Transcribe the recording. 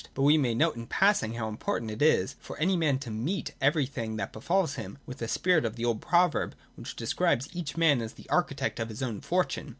But we may note in passing how important it is for any man to meet everything that befalls him with the spirit of the old proverb which de scribes each man as the architect of his own fortune.